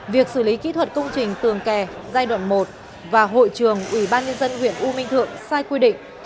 việc xử lý kỹ thuật công trình tường kè giai đoạn một và hội trường ủy ban nhân dân huyện u minh thượng sai quy định